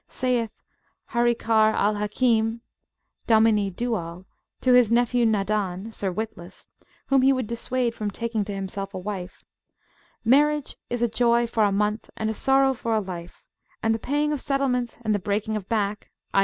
Saith Harikar al Hakim [(]Dominie Do All) to his nephew Nadan (Sir Witless), whom he would dissuade from taking to himself a wife, Marriage is joy for a month and sorrow for a life, and the paying of settlements and the breaking of back (i.